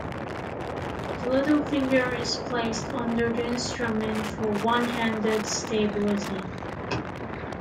The little finger is placed under the instrument for "one-handed" stability.